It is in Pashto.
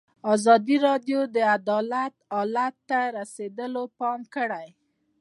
ازادي راډیو د عدالت حالت ته رسېدلي پام کړی.